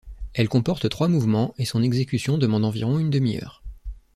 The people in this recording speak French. Elle comporte trois mouvements et son exécution demande environ une demi-heure.